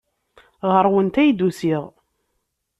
Ɣer-went ay d-usiɣ.